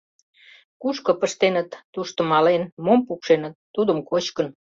Кушко пыштеныт — тушто мален, мом пукшеныт — тудым кочкын.